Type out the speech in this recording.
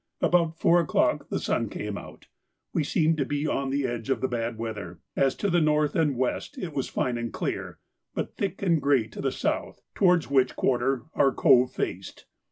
About four o'clock the sun came out; we seemed to be on the edge of the bad weather, as to the north and west it was fine and clear, but thick and grey to the south, towards which quarter our cove faced.